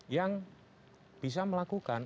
yang bisa melakukan